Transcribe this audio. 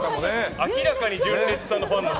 明らかに純烈さんのファンの人。